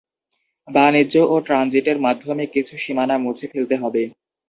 বাণিজ্য ও ট্রানজিটের মাধ্যমে কিছু সীমানা মুছে ফেলতে হবে।